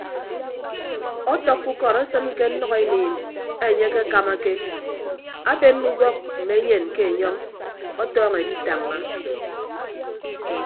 Ọtọkkọ ukọd esịn ke nnʌkeniin enye akekamake abenne ubọk mme enyen ke enyọñ ọtọọñọ editañña.